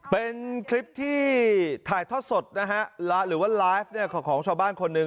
เป็นคลิปที่ถ่ายทอดสดนะฮะหรือว่าไลฟ์ของชาวบ้านคนหนึ่ง